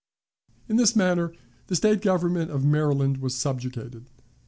In this manner the State government of Maryland was subjugated.